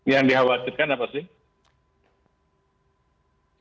yang dikhawatirkan apa sih